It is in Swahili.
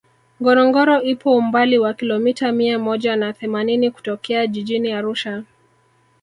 ngorongoro ipo umbali wa kilomita mia moja na themanini kutokea jijini arusha